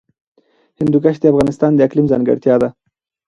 هندوکش د افغانستان د اقلیم ځانګړتیا ده.